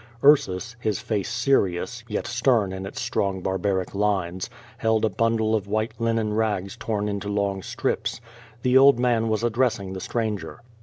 Ursus, his face serious, yet stern in its strong barbaric lines, held a bundle of white linen rags torn into long strips. The old man was addressing the stranger.